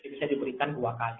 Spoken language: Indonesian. jadi bisa diberikan dua kali